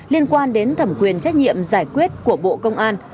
liên quan đến thẩm quyền trách nhiệm giải quyết của bộ công an